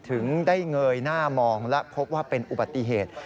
ถึงได้เงยหน้ามองและพบว่าเป็นอุบัติเหตุ